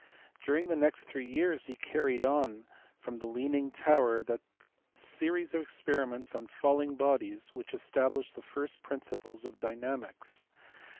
During the next three years he carried on from the leaning tower that series of ex periments on falling bodies which established the first principles of dynamics.